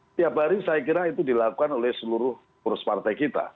setiap hari saya kira itu dilakukan oleh seluruh kurus partai kita